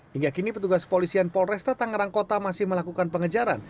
hingga kini petugas kepolisian polresta tangerang kota masih melakukan pengejaran